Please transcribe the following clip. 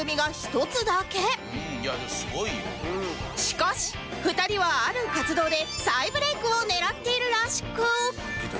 しかし２人はある活動で再ブレイクを狙っているらしく